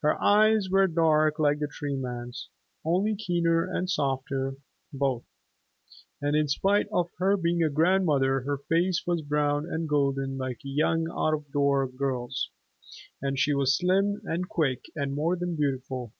Her eyes were dark like the Tree Man's, only keener and softer, both. And in spite of her being a grandmother her face was brown and golden like a young out of door girl's, and she was slim and quick and more than beautiful.